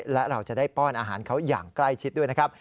และเราจะได้ป้อนอาหารเขาอย่างใกล้ชิดด้วยนะครับ